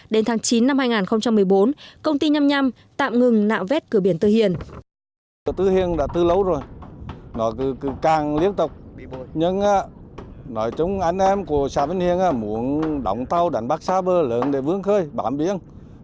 đến tháng chín năm hai nghìn một mươi bốn công ty năm mươi năm tạm ngừng nạo vét cửa biển tư hiền